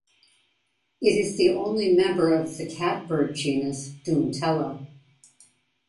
It is the only member of the "catbird" genus Dumetella.